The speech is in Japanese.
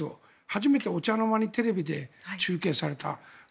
初めてお茶の間にテレビで中継された。